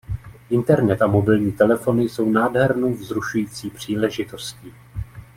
Internet a mobilní telefony jsou nádhernou vzrušující příležitostí.